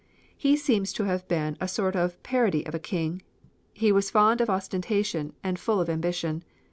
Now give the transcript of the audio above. He seems to have been a sort of a parody of a king. He was fond of ostentation, and full of ambition.